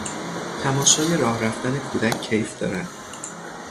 تماشای راه رفتن کودک کیف دارد.